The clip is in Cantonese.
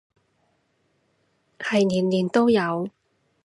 係年年都有